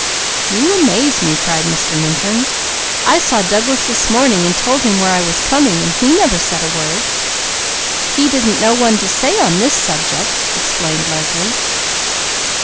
"You amaze me!" cried Mr. Minturn. "I saw Douglas this morning, and told him where I was coming, but he never said a word." "He didn't know one to say on this subject," explained Leslie.